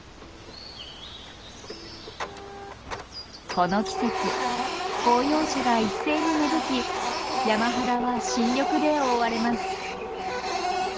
この季節広葉樹が一斉に芽吹き山肌は新緑で覆われます。